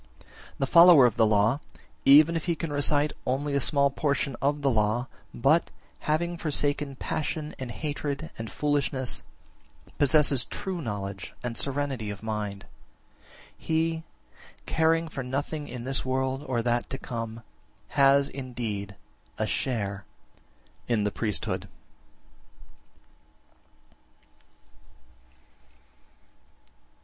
20. The follower of the law, even if he can recite only a small portion (of the law), but, having forsaken passion and hatred and foolishness, possesses true knowledge and serenity of mind, he, caring for nothing in this world or that to come, has indeed a share in the priesthood.